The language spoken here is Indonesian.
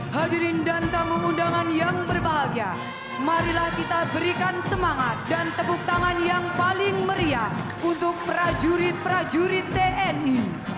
hadirin dan tamu undangan yang berbahagia marilah kita berikan semangat dan tepuk tangan yang paling meriah untuk prajurit prajurit tni